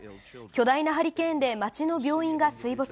巨大なハリケーンで、街の病院が水没。